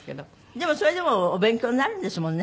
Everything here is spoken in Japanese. でもそれでもお勉強になるんですもんね